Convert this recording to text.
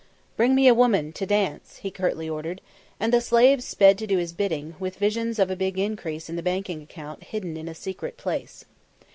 "Bring me a woman to dance," he curtly ordered, and the slave sped to do his bidding, with visions of a big increase in the banking account hidden in a secret place.